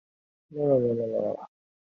两年后任解放军总后勤部副部长。